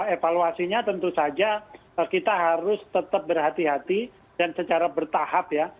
evaluasinya tentu saja kita harus tetap berhati hati dan secara bertahap ya